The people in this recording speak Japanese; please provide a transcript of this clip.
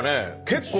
結構。